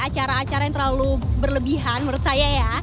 acara acara yang terlalu berlebihan menurut saya ya